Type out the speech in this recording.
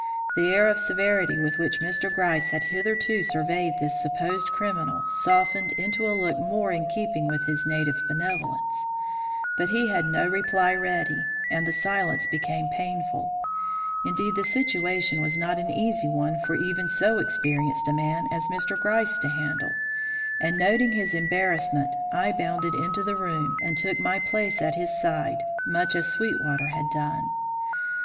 The air of severity with which Mr. Gryce had hitherto surveyed this supposed criminal softened into a look more in keeping with his native benevolence, but he had no reply ready, and the silence became painful. Indeed, the situation was not an easy one for even so experienced a man as Mr. Gryce to handle, and, noting his embarrassment, I bounded into the room and took my place at his side, much as Sweetwater had done. Mr.